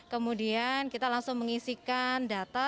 kemudian kita langsung mengisikan data